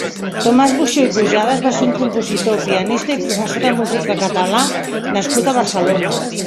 Tomàs Buxó i Pujadas va ser un compositor, pianista i profesor de música catalán nascut a Barcelona.